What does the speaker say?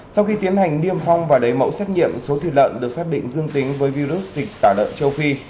sau khi tiến hành điêm phong và đẩy mẫu xét nghiệm số thịt lợn được phát định dương tính với virus dịch tả lợn châu phi